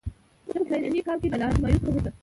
زه په فلاني کال کې د لارډ مایو څخه وروسته.